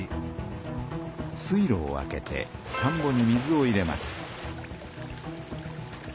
水路を開けてたんぼに水を入れます。